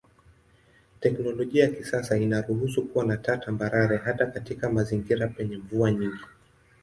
Teknolojia ya kisasa inaruhusu kuwa na taa tambarare hata katika mazingira penye mvua nyingi.